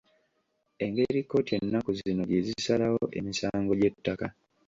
Engeri kkooti ennaku zino gye zisalawo emisango gy’ettaka